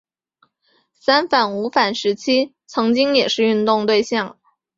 三反五反时期曾经也是运动对象。